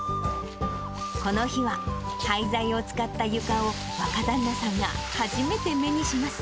この日は、廃材を使った床を、若旦那さんが初めて目にします。